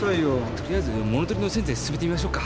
取りあえず物盗りの線で進めてみましょうか？